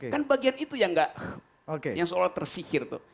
kan bagian itu yang seolah olah tersihir